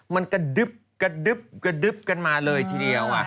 มันกระดึ๊บกระดึ๊บกระดึ๊บกันมาเลยทีเดียว